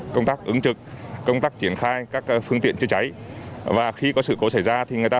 công tác ứng trực công tác triển khai các phương tiện chữa cháy và khi có sự cố xảy ra thì người ta